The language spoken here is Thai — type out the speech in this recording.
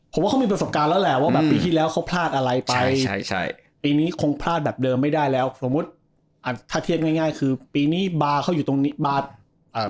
ผมว่ามีประสบการณ์แล้วแหละว่าปีที่แล้วเขาพลาดอะไรไปปีนี้คงพลาดแบบเดิมไม่ได้แล้วสมมุติถ้าเทียบง่ายคือปีนี้บาร์เขาอยู่ตรงนี้